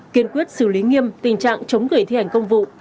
kiên quyết xử lý nghiêm tình trạng chống gửi thi hành công vụ